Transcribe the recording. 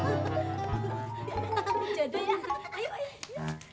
aduh apa itu kalian eh